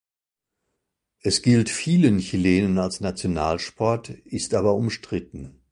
Es gilt vielen Chilenen als Nationalsport, ist aber umstritten.